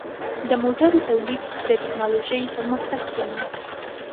د موټرو تولید د ټکنالوژۍ پرمختګ ښيي.